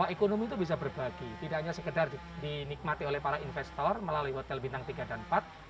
ekonomi itu bisa berbagi tidak hanya sekedar dinikmati oleh para investor melalui hotel bintang tiga dan empat